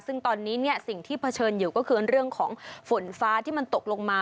ซึ่งตอนนี้เนี่ยสิ่งที่เผชิญอยู่ก็คือเรื่องของฝนฟ้าที่มันตกลงมา